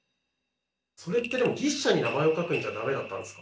それってでも牛車に名前を書くんじゃダメだったんですか？